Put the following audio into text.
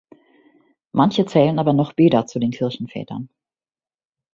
Manche zählen aber noch Beda zu den Kirchenvätern.